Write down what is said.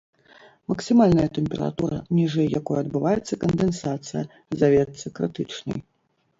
Максімальная тэмпература, ніжэй якой адбываецца кандэнсацыя, завецца крытычнай.